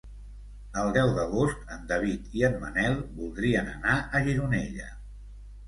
El deu d'agost en David i en Manel voldrien anar a Gironella.